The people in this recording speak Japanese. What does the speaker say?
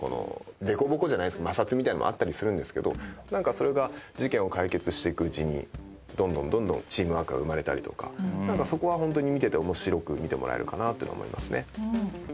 凸凹じゃないけど摩擦みたいのもあったりするんですけど何かそれが事件を解決していくうちにどんどんどんどんチームワークが生まれたりとか何かそこはホントに面白く見てもらえるかなって思いますね。